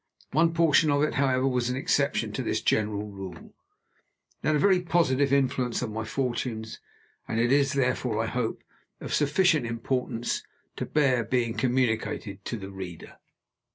One portion of it, however, was an exception to this general rule. It had a very positive influence on my fortunes, and it is, therefore, I hope, of sufficient importance to bear being communicated to the reader.